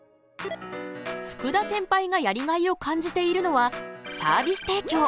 福田センパイがやりがいを感じているのはサービス提供。